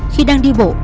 khi đang đi bộ